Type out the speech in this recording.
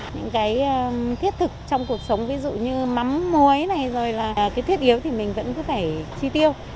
những cái thiết thực trong cuộc sống ví dụ như mắm muối này rồi là cái thiết yếu thì mình vẫn cứ phải chi tiêu